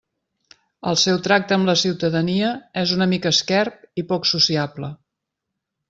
El seu tracte amb la ciutadania és una mica esquerp i poc sociable.